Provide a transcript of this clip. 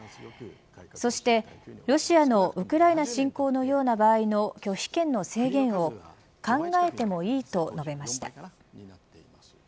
そして、ロシアのウクライナ侵攻のような場合の拒否権の制限を考えてもいいと述べました。